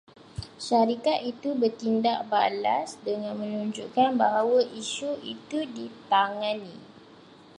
Syarikat itu bertindak balas dengan menunjukkan bahawa isu itu ditangani